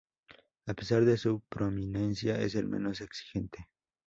A pesar de su prominencia, es el menos exigente.